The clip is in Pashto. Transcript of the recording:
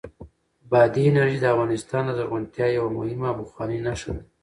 بادي انرژي د افغانستان د زرغونتیا یوه مهمه او پخوانۍ نښه ده.